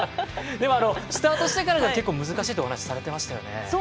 スタートしてからが結構難しいとお話しされてましたよね。